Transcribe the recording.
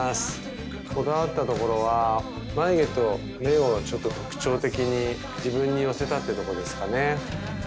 こだわった所は眉毛と目をちょっと特徴的に自分に寄せたってとこですかね。